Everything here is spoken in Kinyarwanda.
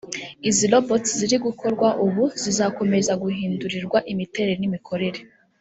Izi robots ziri gukorwa ubu zizakomeza guhindurirwa imitere n’imikorere